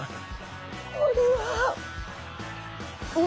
これは。